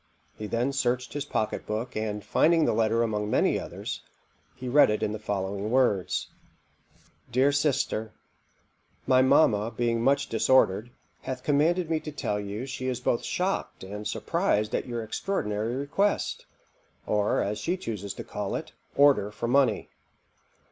He then searched his pocket book, and finding the letter among many others, he read it in the following words: "'DEAR SISTER, My mamma being much disordered, hath commanded me to tell you she is both shocked and surprized at your extraordinary request, or, as she chuses to call it, order for money.